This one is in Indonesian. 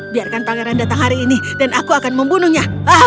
biarkan pangeran datang hari ini dan aku akan membunuhnya